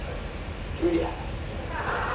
キュウリや。